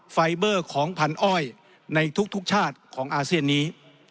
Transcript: ไฟเบอร์ของพันอ้อยในทุกชาติของอาเซียนนี้